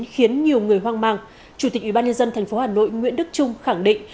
khiến nhiều người hoang mang chủ tịch ubnd tp hà nội nguyễn đức trung khẳng định